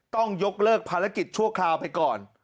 ต้องยกเลิกภารกิจชั่วคราวไปก่อน